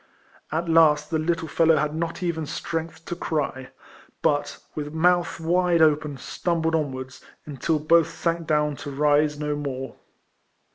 At last the little fellow had not even strength to cry, but, with mouth wide open, stumbled on wards, until both sank down to rise no more.